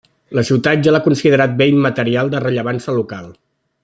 La ciutat ja l'ha considerat Bé Immaterial de Rellevància Local.